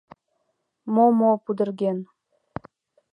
Мо-мо пудырген?